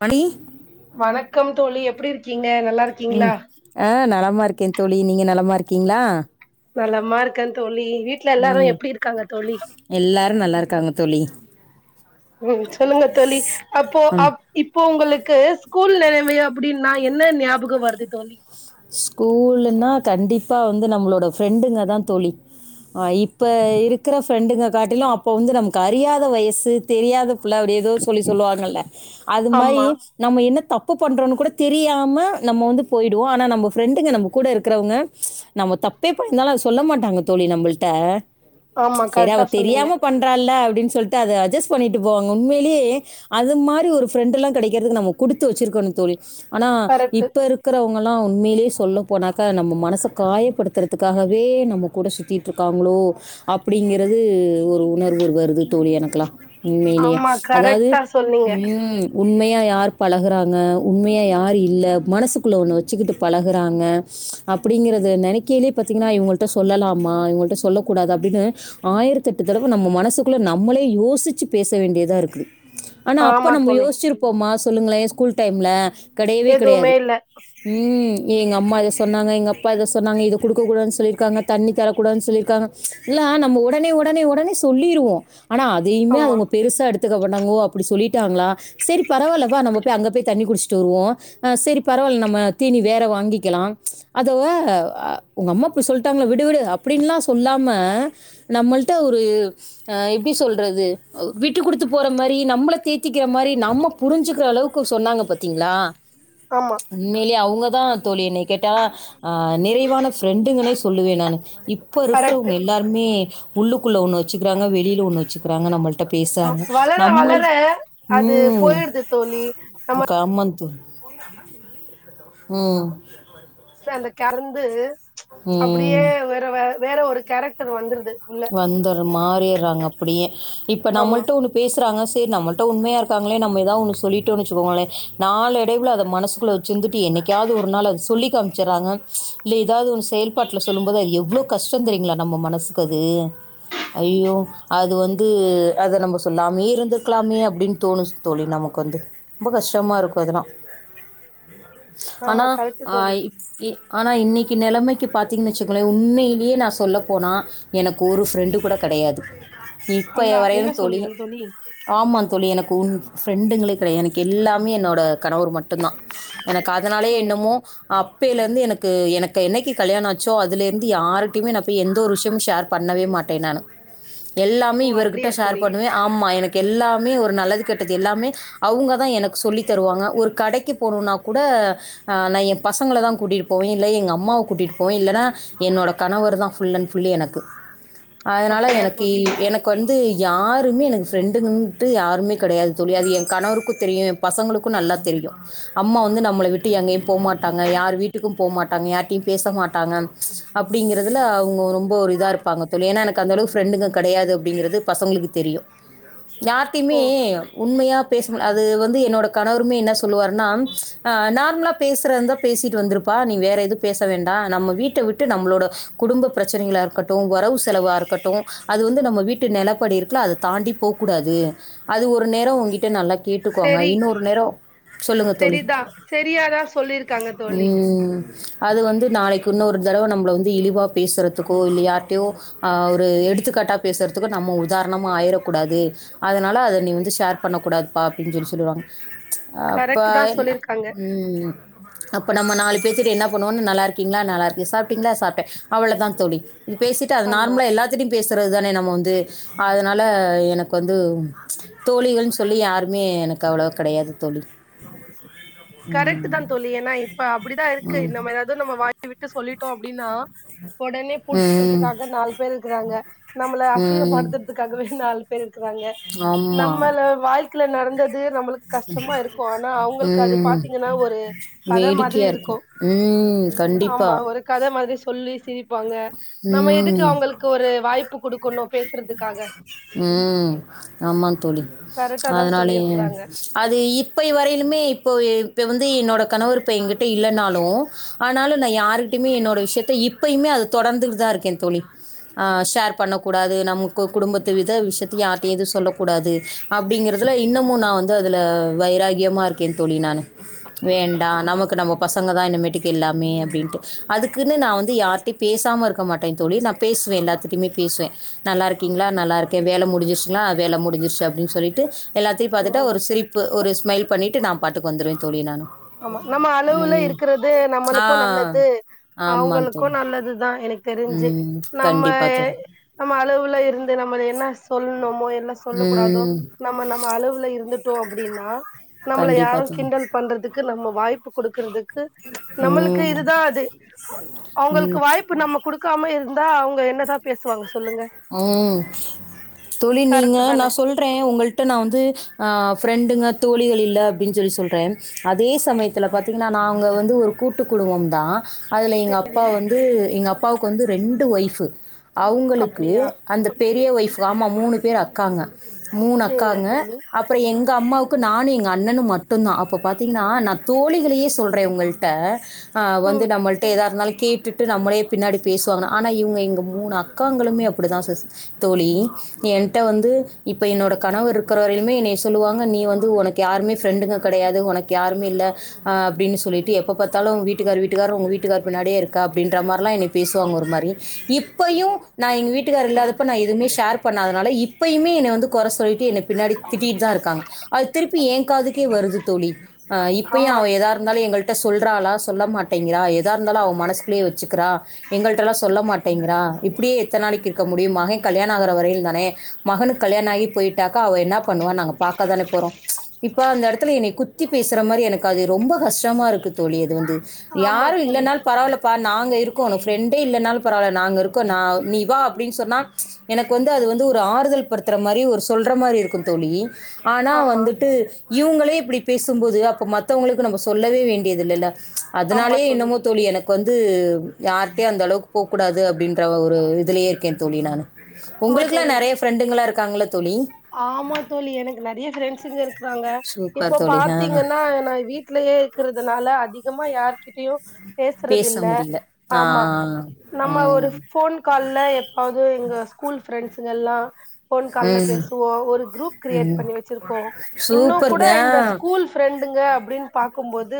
மணி வணக்கம் தோழி எப் எப்டி இருக்கீங்க நல்லா இருக்கீங்களா நல்ல இருக்கே தோழி நீங்க நலமா இருக்கீங்ளா நலமா இருக்கே தோழி வீட்ல எல்லாரு உம் எப்டி இருக்காங்க தோழி எல்லாரு நல்லா இருக்காங்க தோழி ம் சொல்லுங்க தோழி அப்போ அ ம் இப்போ உங்களுக்கு ஸ்கூல் நிலமையு அப்டின் என்ன ஞாபகம் வருது தோழி ஸ்கூல்ன்னா கண்டிப்பா வந்து நம்மளோட ஃப்ரெண்டுங்க தா தோழி ஆஹ் இப்ப இருக்ற ஃப்ரெண்டுங்க காட்டிலும் அப்ப வந்து நமக்கு அறியாத வயசு தெரியாத அப்டி ஏதோ சொல்லி சொல்லுவாங்கல்ல அது மாரி ஆமா நம்ம என்ன த தப்பு பண்றோன்னு கூட தெரியாம நம்ம வந்து போயிடுவோ நம்ம பிரெண்டுங்க நம்ம கூட இருக்குறவுங்க நம்ம தப்பே பண்ணியிந்தாலு அத சொல்ல மாட்டாங்க தோழி நம்மள்ட்ட ஆமா சேரி அவ கரெக்டா சொன்னீங்க தெரியாம பண்றால அப் அப்டினு சொல்லிட்டு அத அட்ஜஸ் பண்ணிட்டு போவாங்க உண்மையிலேயே அது மாரி ஒரு ஃப்ரண்டெல்லா கெடைக்குறதுக்கு நாம குடுத்து வெச்சிருக்கனு தோழி ஆனா கரெக்ட்டு இப்ப இருக்குறவங்க நாமலா உண்மையிலே சொல்ல போனாக்க நம்ம மனச காயப்படுத்துறதுக்காகவே நம்ம கூட சுத்திட்டு இருக்காங்களோ அப்டிங்கறது ஒரு உணர்வு வருது தோழி எனக்கெல்லா உண்மையிலேயே ஆமா அதாவது கரெக்டா சொன்னீங்க உம் உண்மையா யார் பழகுறாங்க உண்மையா யார் இல்ல மனசுக்குள்ளே ஒன்னு வச்சு வச்சுக்கிட்டு பழகுறாங்க அப்டிங்கறத நெனக்கையிலேயே பாத்தீங்கன்னா இவங்கள்ட்ட சொல்லலாமா இவங்கள்ட சொல்லக்கூடாது அப்டின்னு ஆயிரத்தெட்டு தடவ நம்ம மனசுக்குள்ளே நம்மளே யோசிச்சு பேச வேண்டியதாக இருக்கு ஆனா அப்ப ஆமா நம்ம தோழி யோசிச்சிருப்போமா சொல்லுங்களே ஸ்கூல் டைம்ல எதுவுமே இல்ல உம் எங்க அம்மா இத சொன்னாங்க எங்க அப்பா இத சொன்னாங்க இத குடுக்க கூடாதுன்னு சொல்லியிருக்காங்க தண்ணி தரக்கூடாதுன்னு சொல்லியிருக்காங்க இதெல்லா நம்ம உடனே உடனே உடனே சொல்லிருவோ ஆனா அதையுமே ஆமா அவுங்க பெருசா எடுத்து ஒத்துங்க மாட்டாங்க ஓ அப்டி சொல்லிட்டாங்ளா சரி பரவாயில்ல வா நம அங்க போய் தண்ணி குடிச்சிட்டு வருவோ சரி பரவாயில்ல நம்ம இனி நீ வேற வாங்கிக்கலா அதவ் உங்க அம்மா இப்டி சொல்லிட்டாங்கள விடு விடு அப்படின்னுல்லா சொல்லாம நம்மள்ட்ட ஒரு அ எப்டி சொல்றது விட்டு குடுத்து போற மாரி நம்மள தேத்திக்கிற மாரி நம்ம புரிஞ்சுக்ற அளவுக்கு சொன்னாங்க பாத்தீங்களா ஆமா அவுங்க தா தோழி என்னய கேட்டா நிறைவான பிரெண்டுன்னுங்கனை சொல்லுவே நானு இப்ப இப்ப இருக்குறவுங்க கரெக்ட்டு எல்லாருமே உள்ளுக்குள்ள ஒன்னு வச்சுருக்காங்க வெளில ஒன்னு வச்சுருக்காங்க நம்ம வளர வளர அது ம் போயிடுது தோழி நம்ம போ ம் அந்த கறந்து ம் அப்டியே வேரவ வேற ஒரு கேரக்டர் வந்துருது உள்ள வந்துற மாறிடுறாங்க அப்டியே இப்ப ஆமா நம்மளிட்ட ஒண்ணு பேசுறாங்க செரி நம்மள்ட உண்மையா இருக்காங்களே நம்ம ஏதாது ஒ சொல்லிட்டோன்னு வச்சுக்கோங்களேன் நாலு இடைவுல அதை மனசக்குள்ள வச்சிருந்துட்டு என்னைக்கையாவது ஒரு நாள் அத சொல்லி காமிச்சடுறாங்க இல்ல ஏதது செயல்பாட்டல சொல்லும்போது எவ்ளோ கஷ்டம் தெரியங்களா நம்ம மனசு க்குது ஐயோ அது வந்து அதை நம்ம சொல்லாமே இருந்திருக்கலாமே அப்டின்னு தோணும் தோழி நமக்கு வந்து ரொம்ப கஷ்டமாக இருக்கும் அதெல்லாம் ஆமா அனா கரெக்ட் அ தோழி ப் இ ஆனா இன்னைக்கு நிலைமைக்கு பாத்தீங்கன்னு வச்சுங்களேன் உண்மையிலயே நா சொல்ல போனா எனக்கு ஒரு ஃப்ரெண்டு கூட கிடையாது இப்ப அல்லா என்ன வரையும் தோழி சொல்லுங்க ஆமா எனக்கு ஒரு ஃப்ரெண்டுங்களே கிடையாது எனக்கு எல்லாமே என்னோட கணவர் மட்டும் தான் எனக்கு அதனாலயே ஓ என்னமோ அப்பயிலே இருந்து எனக்கு எனக்கு என்னைக்கு கல்யாண ஆச்சோ அதுல இருந்து யாருக்கிட்டயுமே எந்த ஒரு விஷயமும் ஷேர் பண்ணவே மாட்டேன் நானு எல்லாமே ஓ இவர்கிட்ட அப்படியா ஷேர் தோழி பண்ணுவேன் ஆமா எனக்கு எல்லாமே ஒரு நல்லது கெட்டது எல்லாமே அவுங்கதான் எனக்கு சொல்லி தருவாங்க ஒரு கடைக்கு போனும்னா கூட ஆ நான் என் பசங்களை தான் கூட்டிட்டு போவேன் இல்லனா எங்க அம்மாவை கூட்டிட்டு போவேன் இல்லன்னா என்னோட கணவர் தான் ஃபுல் அண்ட் ஃபுல்லி எனக்கு அதனால அப்படியா எனக்கி தோழி எனக்கு வந்து யாரு எனக்கு ஃப்ரண்டுனுட்டு யாருமே கிடையது தோழி அது என் கணவருக்கும் தெரியும் பசங்களுக்கும் நல்லா தெரியும் அம்மா வந்து நம்மள விட்டு எங்கேயும் போகமாட்டாங்க யார் வீட்டுக்கும் போகமாட் அவுங்க யாரிட்டையும் பேச மாட்டாங்க அப்டிங்கிறதுல அவுங்க ரொம்ப ஒரு இதா யிருப்பாங்க தோழி ஏன்னா எனக்கு அந்தளவு ஃப்ரெண்டுங்க கிடையாது அப்டிங்கிறது பசங்களுக்கு தெரியும் யார்ட்டயுமே ஓ உண்மையா பேச அது வந்து என்னோட கணவருமே என்ன சொல்லுவார்னா நார்மலா பேசுற இருந்தா பேசிட்டு வந்திருப்பா நீ வேற எதுவும் பேச வேண்டாம் நம்ம வீட்டை விட்டு நம்மளோட குடும்ப பிரச்சனைகளா இருக்க ட்டும் வரவு செலவா இருக்கட்டும் அது வந்து நம்ம வீட்டு நிலப்படி இருக்குல அதை தாண்டி போக்கூடாது அது ஒரு நேரம் உங்கிட்ட நல்லா கேட்டுக்கோங்க சரி இன்னொரு நேரம் சொல்லுங்க தோழி சரிதா சரியாதா சொல்லிருக்காங்க தோழி ம் அது வந்து நாளைக்கு இன்னொரு தடவை நம்மளை வந்து இழிவா பேசுறதுக்கோ இல்ல யா ர்ட்டயோ அ ஒரு எடுத்துக்காட்டா பேசுறதுக்கு நம்ம உதாரணமா ஆயிடக்கூடாது அதனால அதை நீ வந்து ஷேர் பண்ணக்கூடாதுப்பா அப்டின்னு சொல்லி சொல்லுவாங்க கரெக்ட் தா அ சொல்லிருக்காங்க [unintelligible] ம் அப்ப நம்ம நாலு பேத்துக்கு என்ன பண்ணுவோன்னு நல்லா இருக்கீங்களா நல்லா இருக்கு சாப்டீங்களா சாப்ட அவ்ளவதாங் தோழி இப்டி பேசிட்டு அது ஆமா நார்மலா எல்லாத்திட்டையும் பேஸ் சுத்துர்தானே நம்ம வந்து அதனால எனக்கு வந்து தோழிகள்ன் சொல்லி யாருமே எனக்கு அவ்ளோ கெடையாது கரெக்டுதா தோழி ஏன்னா இப்ப அப்டிதா இருக்கு ம். இந்த மாரியாவது நம்ம வாய் விட்டு சொல்லி ட்டோ அப்டின்னா ஒடனே ம். புடுச்சுக்குறதுக்காக நாலு பேர் இருக்குறாங்க நம்மள ம் அசிங்கப்படுத்துறதுக்காகவே நாலு இருக்குறாங்க ஆமா. நம்மள வாழ்க் கள நடந்தது ந்து நம்மளுக்கு கஷ்டமா இருக் கு ஆனா அவுங்களுக்கு அது ம். பாத்தீங்கன்னா ஒரு கத மாதிரி வேடிக்கையா இருக்கு இருக்கும். ம். கண்டிப்பா. ஆமா ஒரு கத மாதிரிஸ் சொல்லி சிரிப் பாங்க நம்ம எதுக்கு ம். அவுங்களுக்கு ஒரு வாய்ப்பு குடுக்குணு பேஸ் ப்புறதுக்காக ம் ஆமாந் தோழி கரெக்டா தா அதனாலயே சொல்லிருக்கறாங்க அது இப்பய வரை இப்பயுமே இப்போ இப்ப வந்து என்னோட கணவர் இப்ப எங்கிட்ட இல்லனாலு ஆனாலு நா யாருகிட்டயுமே என்னோட விஷ்யத்த இப்பயுமே அது தொடந்துகிட்டுதா இருக்கேந் தோழி ஆ ஷேர் பண்ணக்கூடாது நமக்கு குடும்பத் த்து வித விஷ்யத்த யாருட்டையு எது சொல்லக் கூடாது அப்டிங்குறதுல இன்னமு நா வந்து அதுல வைராகியமாக இருக்கேன் தோழி நானு வேண்டா நமக்கு நம்ம பசங் பசங்கதா இனிமேட்டுக்கு எல்லாமே அப்டின்டு அதுக் க்குனு நா வந்து யாரிட்டையு பேசாம இருக் இருக்க மாட்டேந் தோழி நா பேசுவே எல்லாத்திட்டுமே பேசுவே நல்லா இருக்கீங்களா நல்லா இருக்கே வேல முடுஞ்சுருச்சுனா வேல முடிஞ்சுருச்சு அப்டின் சொல்லிட்டு எல்லாத்தையு பாத்துட்டா ஆமா ஒரு சிரிப்பு ஒரு ஸ்மைல் பண்ணிட்டு நாம் பாட்டுக்கு வந்துருவே தோழி நானு ஆமா நம்ம அளவுல இருக்குறது ஆ நம்மளுக்கு நல்லது ஆமாம் அவங்களுக்கு தோழி நல்லதுதா எனக் தெருஞ்சு ம் நம்ம கண்டிப்பாக தோழி நம்ம அளவுல இருந்து நம் ஒரு என்ன சொல்ணுமோ சொல்லக்கூடாதோ ம் நம்ம நம்ம அளவுல இருந்துட் டோ அப்டின்னா நம்மள கண்டிப்பாக யாரும் தோழி கிண்டல் பண்றது வாய்ப்பு குடுக்கறதுக்கு நம்மளுக்கு ம் இதுதா அது ம் அவங்களுக்கு வாய்ப்பு நம்ம குடுக்காம இருந்தா அவுங்க என்னதா பேசுவாங்க சொல்லுங்க ம் தோழி நீங்க கரெக்ட் தான நா சொல்றேன் உங்களிட்ட நா வந்து அ ஃபிரண் திங்ல தோழிகள் இல்லனு அப்பிடின்னு சொல்லி சொல்றேன் அதே சமயத்தில் பாத்தீங்கன்னாங்க வந்து நாங்க ஒரு கூட்டு குடும்பம் தா அதுல எங்க அப்பா வந்து எங்க அப் அப்பாவுக்கு வந்து ரெண்டு ஒய்ஃபு அவுங்களுக் கு அப்டியா அந்த பெரிய ஒய்ஃப் ஆமா மூணு பேர் அக்காங்க மூணு சேரிங்க அக்காங்க தோழி அப்புற எங் க அம்மாவுக்கு நானு எங்க அண்ணனு மட்டுந்தான் அப்ப பாத்தீங்கன்னா நா தோழிகளையே சொல்றே உங்கள்ட ஆ வந்து ம் நம்மள்ட ஏதா இருந்தாலு கேட்டுட்டு நம்மளே பின்னாடி பேசுவாங்க ஆனா இவுங்க எங்க மூணு அக்காங்களுமே அப்புடித்தான் சிஸ் தோழி ஏன்ட வந்து இப்ப என்னோட கணவர் இருக்கிற வரையிலுமே என்ய சொல்லுவாங்க நீ வந்து உனக்கு யாருமே ஃப்ரெண்டுங்க கெடையாது உனக்கு யாருமே இல்ல ஆ அப்டினு சொல்லிட்டு எப்ப பாத்தாலும் வீட்டுகார் வீட்டுகார் ஒங்க வீட்டுகார் பின்னாடியே இருக்க அப்பிடின்ற என்னைய பேசுவாங்க ஒரு மாரி இப்பயும் நா எங்க வீட் இல்லாதப்ப நா எதுமே ஷேர் பண்ணாதுனால இப்பயுமே என்னைய வந்து குறை சொல்லிட்டு எனக் பின்னாடி திட்டிட்டு தா இருக்காங்க அது திருப்பி ஏங் காதுக்கே வருது தோழி இப்ப ஆமா அவ இருந்தாலு எங்கள்ட சொல்றா சொல்ல மாட் மாட்டிங்கிளா எத இருந்தாலு அவ மனசுக்குலே வச் டை வச்சுக்கிறா எங்கள்டல்லா சொல்ல மாட்டேங்கிறா இப்புடியே எத்தன் நாளைக்கி க முடியும் மகன் கல்யாணம் ஆக வரையுந்தானே மகனுக்கு கல்யாணம் ஆயி போயிட்டாக்கா அவ என்ன பண்ணுவானு நாங்க பாக்க தானே ச் இப்ப அந்த எடத்துல என்ன குத்தி பேசுற மாரி எனக்கு அது ரொம்ப கஷ்டமாருக்கு தோழி அது வந்து ஆமா யாரு தோழி இல்லன்னால் பரவாலப்பா நாங்க இருக் ஒனக் ஃப்ரெண்டே இல்லன்னாலு பராவால்ல நாங்க இருக்கோ நா நீ வா எனக்கு வந்து அது வந்து ஒரு ஆறுதல் படுத்துற மாரி ஒரு சொல்ற மாரி இருக்குந்தோழி ஆனா ஆமா வந்துட்டு இவுங்களே இப்டி பேசும்போது அப்போ மத்தவங்களுக்கு நம்ப சொல்லவே வேண்டியதுல்ல அதுனாலயே என்னமோ தோழி எனக் க்கு வந்து யார்டயு அந்தளவுக்கு போக்கூடாது அப்டின்ற ஒரு இதுலயே இரு க்கே தோழி நானு ஆமா உங்களுக்குலா தோழி நெறைய ஃப்ரெண்டுங்களா இரு க்காங்ள ஆமா தோழி எனக்கு நெறைய ஃப்ரெண்ட்ஸுங்க இருக்குறாங்க இப்போ சூப்பர் தோழி ஆ பாத்தீங்கன்னா நா வீட்லயே இருக்குறதுனால அதிக கமா யார் கிட்டயு பேச பேசுறதில்ல முடியல ஆ ஆமா நம்ம ஒரு ம் ஃபோன் கால்ல எப்பாவுது எங்க ஸ்கூல் ஃப்ரண்ட் ஸுங்கெல்லா ஃபோன் கால்ல ம் பேசு வோ ஒரு குரூப் கிரியேட் ம் பண்ணி வச்சுருக்கோ இன்னு கூட சூப்பர்ங்க இந்த ஸ்கூல் ஃபிரெண்டுங் க அப்டின் பாக்கும்போது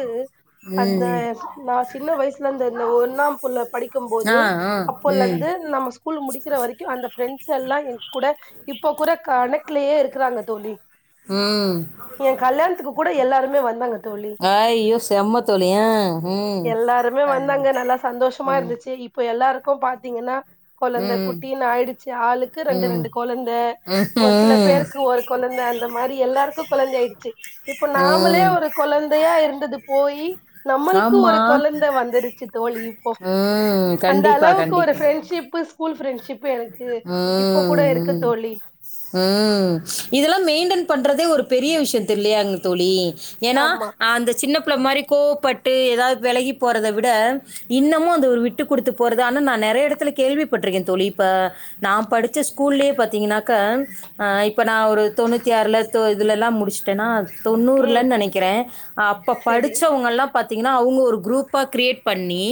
அந்த ம் நா சின்ன வயசுலந் த இந்த ஒன்னாம் புள்ள படி க்கும் போது ஆ ஆ ம் அப்போல்லந்து நம்ம ஸ்கூல் முடிக்கிற வரைக்கு அந்த ஃபிரெண்ட் ஸெல்லா எ கூட இப்பொ கூட கனக்ட்லயே இருக்குறாங்க தோழி ம் எ கல்யாண்த்துக்கு கூட எல்லாருமே வந்தாங்க தோழி ஆய்யோ செம்ம தோழி ஆ ஹும் எல்லாருமே வந்தாங்க [unintelligible] க்கு பாத்தீங்கன்னா கொழந்த குட்டின்னு ஆயிடுச்சு ஆளுக்கு ரெண்டு ம் ரெண்டு கொழந்த ஒரு சில ம் பேருக்கு ஒரு கொழந்த அந்த மாதிரி எல்லா ருக்கு கொழந்தயாயிடுச்சு இப்ப நாமளே ம் ஒரு கொழந்தையா இருந்தது போயி நம்மளுக்கு ஆமா ஒரு கொழந்த வந்துருச்சு தோழி இப்போ ம் அந்த கண்டிப்பா அளவுக்கு ஒரு கண்டிப்பா ஃப்ரெண்ட்ஷிப்பு ஸ்கூல் ஃப்ரெண்ட்ஷிப் பு எனக்கு இப்ப ம் கூட இருக்கு ம் தோழி ம் இதுல்லா மெயின்டென் பண்றதே ஒரு பெரிய விஷ்யொ தெர்லயாங்க தோழி ஏனா ஆமா அந்த சின்ன ப்புல மாரி கோவப்பட்டு ஏதாவது விலகி போறத விட இன்னமு அந்த ஒரு விட்டு குடுத்து போறத ஆன நா நெறைய இடத்துல கேள்விப்பட்டிருக்கே தோழி பா நா படிச்ச ஸ்கூல்லயே பாத்தீங்கன்னாக்க ஆ இப்ப நா ஒரு தொண்ணூத்தி ஆறில தொ இதுலலா முடிச்ட்டன்னா ம் தொண்ணூறுலன்னு நெனைக்கிறே அப்ப சரி படிச்சவங்கல்லா பாத் த்தீங்கன்னா அவுங்க ஒரு குரூப்பா கிரியேட் பண்ணி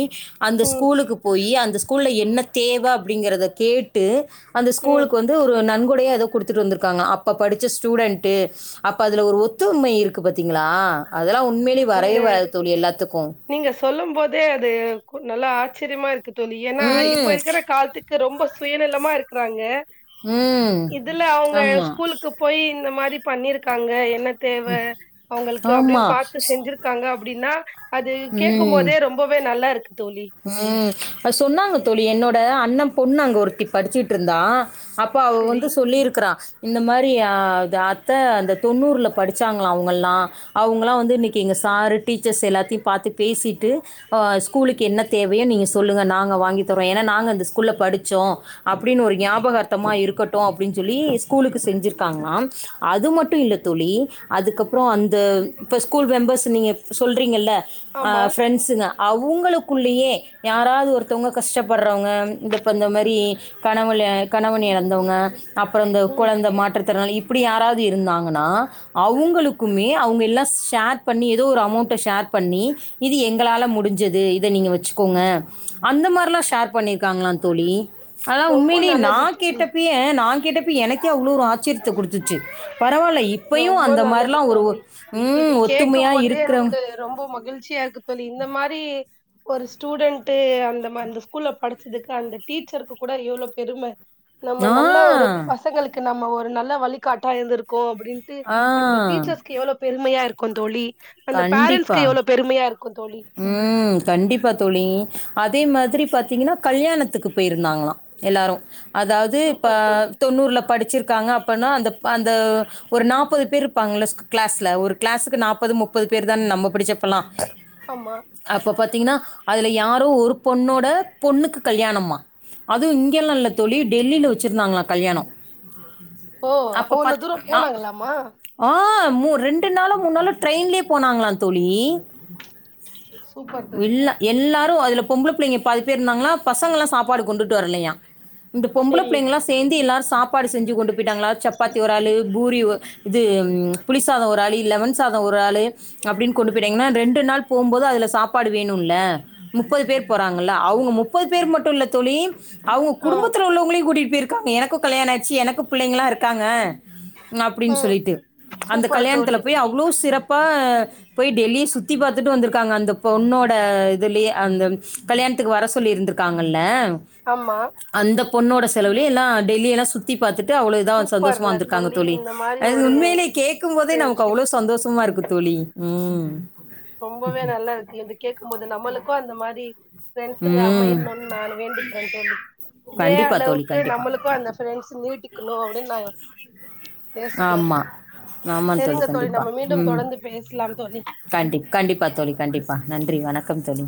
அந்த ம் ஸ்கூலுக்கு போய் அந்த ஸ் கூல்ல என்ன தேவ அப்பிடிங்கிறத கேட்டு அந்த ம் ஸ்கூலுக்கு வந்து ஒரு நன் கூடையே அது குடுத்துட்டு வந்திருக்காங்க அப்ப படிச்ச ஸ்டூடென்ட் அப்ப அதுல ஒரு ஒத்துமை இருக்கு பத்தீங்களா அ நீங்க நீங்க சொல்லு போதே அது நல்லா ஆச்சிரியமா இருக்கு தோழி ஏன்னா இப்ப ம் இருக்கிற காலத்துக்கு ரொம்ப சுயநலமா இருக்கிறாங்க ம் இதுல அவுங்க ஆமாம் ஸ்கூலுக்கு போய் இந்த மாரி பண்ணிருக்காங்க என்ன தேவ அவுங்களுக்கு அப்பிடின்னு ஆமாம் பாத் த்து செஞ்சிருக்காங்க அப்பிடின்னா அது ம் கேடக்குபோதே ரொம்பவே நல்லா இருக்கு தோழி ம் அது சொன்னாங்க தோழி என்னோட அண்ண பொண்ணு அங்க ஒருத்தி படிச்சுட்டுருந்தா அப்ப அவ சரி வந்து சொல்லியிருக்கறா இந்த மாரி ஆ அது அத்த அந்த தொண்ணூர்ல படிச்சாங்களா அவுங்கலா அவங்கலா வந்து இன்னிக்கி எங்கள் சரு டீச்சர்ஸ் எல்லாத்தியு பாத்து பேசிட்டு ஆ ஸ்கூலுக்கு என்ன தேவையோ நீங்க சொல்லுங்க நாங்க வாங்கிதர்றோ ஏன்னா நாங்க அந்த ஸ்கூல்ல படிச் சோ அப்பிடின்னு ஒரு ஞாபக அர்த்தமா இருக்கட்டு அப்பிடின்னு சொல்லி ஸ்கூலுக்கு செஞ்சிருக்காங்காளா அது மட்டு இல்ல தோழி அதுக்கப்புறோ அந்த இப்ப ஸ்கூல் மெம்பர்ஸ் நீங்க ப் சொல்றீங்கல்ல ஆ ஆமா ஃப்ரெண்ட்ஸுங்க அவுங்குளுக் குள்ளேயே யாராது ஒருத்தவங்க கஷ்டப்படுறவங்க இந்த இப்ப இந்த மாரி கணவள கணவன இழந்தவங்க அப்புறோ இந்த ம் கொழந்த மாற்றுத்திறனாளி இப்பிடி யாராவது இருந்தாங்கன்னா அவுங்களுக்குமே அவுங்கல்லா ஷேர் பண்ணி ஏதோ ஒரு அமௌண்ட ஷேர் பண்ணி இது எங்களால முடிஞ்சது இத நீங்க வச்சிக்கோங்க அந்த மாரிலா ஷேர் பண்ணியிருக்காங்களான் தோழி அலான் ரொம்ப உண்மையிலேயே நா நல்லது தோழி கேட்டப்பயே நா கேட்டப்ப எனக்கே அவ்ளோ ஒரு ஆச்சியத்த குடுத்துச்சி பரவால்ல இப்பையு ரொம்ப அந்த நல்லது மாரில்லா ஒரு ஒ தோழி இது ம் கேக்கும் ஒத்துமையா போதே இருக்கிறவங்க எனக்கு ரொம்ப மகிழ்ச்சியா இருக்கு தோழி இந்த மாரி ஒரு ஸ்டூடண்ட்டு அந்த ம அந்த ஸ்கூல்ல படிச்சதுக்கு அந்த டீச்சருக்கு கூட எவ்ளோ பெரும நம்ம ஆ, நல்ல ஒரு பசங்களுக்கு நம்ம ஒரு நல்ல வழிக்காட்டா இருந்துருக்கோ அ ப்டின்ட்டு ஆ. அந்த டீச்சர்ஸுக்கு எவ்ளோ பெருமையா இரு க்குந் தோழி அந்த கண்டிப்பா. பேரண்ட்ஸ்க்கு எவ்ளோ பெருமையாரு ம் கண்டிப்பா தோழி அதே மாதிரி பாத்தீங்கனா கல்யாணத்துக்கு பேயிருந்தாங்களா எல்லாரு அதாவுது இப்பப சூப்பர் தோழி தொண்ணூர்ல படிச்சிரு க்காங்க அப்பனா அந்த அந்த ஒரு நாப்பது பேர்ருப்பாங்கல்ல கிளாஸ்ல ஒரு கிளாஸுக்கு நாப்பது முப்பது பேரு தான நம்ம படிச்சப்பல்லா ஆமா திங்னா அதுல யாரோ ஒரு பொண்ணோட பொண்ணுக்கு கல்யாணமா அது இங்கல்லா இல்ல தோழி டெல்லில வச்சிருந்தாங்களா கல்யாணொ ஓ அவ்ளோ தூரொ போனாங்களாமா ஆ மூ ரெண்டு நாளொ மூண் நாளொ ட்ரெயின்லயே போனாங்களா தோழி சூப்பர் தோழி இல்ல எல்லாரு அதுல பொம்பள புள்ளைங்க பாதி பேருந்தாங்களா பசங்கல்லா சாப்பாடு கொண்டுட்டு வரலயா இந்த பொம்பள செரி புள்ளைங்களா சேந்து எல்லாரு சாப் பாடு செஞ்சு கொண்டு போயிட்டாங்களா சப்பாத்தி ஒராளு பூரி ஒ இது புளி சாதொ ஒராளு லெமன் சாத ஒராளு அப்டின் கொண்டு போயிட்டாங்கனா ரெண்டு நாள் போம்போது அதுல சாப்பாடு வேணும்ல முப்பது பேர் போறாங்கல்ல அவுங்க முப்பது பேர் மட்டுல்ல தோழி அவுங்க ஆ குடும்பத்துல உள்ளவங்களையு கூட்டிட் போயிரு க்காங்க எனக்கு கல்யாண ஆச்சு எனக்கு புள்ளைங்களா இருக்காங்க அப்டின் ம் சொல்லிட்டு அந்த சூப்பர் கல்யாணத்துல தோழி போய் அவ்ளோ சிறப்பா அ போய் டெல்லிய சுத்தி பாத் துட்டு வந்துருக்காங்க அந்த பொண்ணோட இதுலயே அந்த கல்யாணத்துக்கு வர சொல்லி இருந்துருக்காங்கல்ல ஆமா அந்தப் பொண்ணோட செலவுலே எல்லா டெல்லி எல்லா சுத்தி பாத்துட் டு அவ்ள இதா சந்தோஷமா சூப்பர்ல வந்துருக்காங்க தோழி இந்த மாரி அது ஒரு உண்மையிலே கேக்கும் போதே நமக்கு ஃப்ரெண்ட்ஷிப் அவ்ளோ சந்தோஷமா இருக்கு தோழி ம் ரொம்பவே நல்லாருக்கு இது கேக்கும்போ து நம்மளுக்கு அந்த மா படி ஃப்ரண்ஸுங்க ம் அமையனுன் நானு வேண்டிக்கிறே தோழி இதே கண்டிப்பா தோழி அளவுக்கு கண்டிப்பா நம்மளுக்கும் அந்த சுய நீட்டிக்கணு அப்டினாயோ யோசிக்கிறே ஆமா ஆமாம் சரிங்க தோழி கண்டிப்பா நம்ம மீண்டும் ம் தொடர்ந்து பேசிலாம் தோழி கண்டி கண்டிப்பா தோழி கண்டிப்பா நன்றி வணக்கம் தோழி